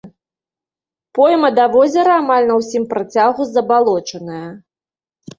Пойма да возера амаль на ўсім працягу забалочаная.